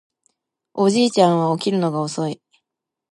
おじいちゃんは起きるのが遅い